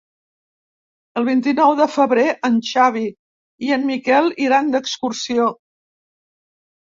El vint-i-nou de febrer en Xavi i en Miquel iran d'excursió.